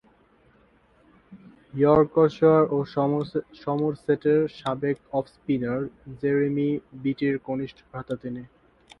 Yorkshire ও সমারসেটের সাবেক অফ স্পিনার জেরেমি বেটি’র কনিষ্ঠ ভ্রাতা তিনি।